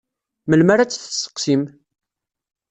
Melmi ara tt-tesseqsim?